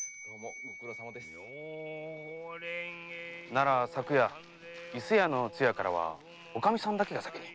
なら昨夜伊勢屋の通夜からおかみさんだけが先に？